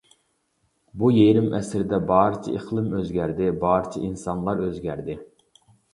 بۇ يېرىم ئەسىردە بارچە ئىقلىم ئۆزگەردى، بارچە ئىنسانلار ئۆزگەردى.